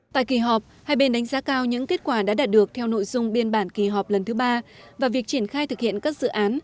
tại kỳ họp hai bên đánh giá cao những kết quả đã đạt được theo nội dung biên bản kỳ họp lần thứ ba và việc triển khai thực hiện các dự án